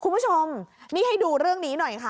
คุณผู้ชมนี่ให้ดูเรื่องนี้หน่อยค่ะ